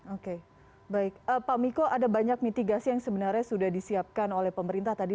oke baik pak miko ada banyak mitigasi yang sebenarnya sudah disiapkan oleh pemerintah tadi